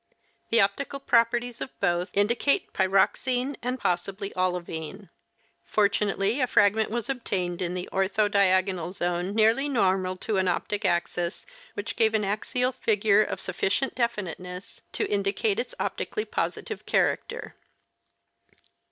The optical properties of both indicate pyroxene and possibly olivine. Fortunately a fragment was obtained in the ortho diagonal zone nearly normal to an optic axis which gave an axial figure of sufficient deflniteness to indicate its optically positive character.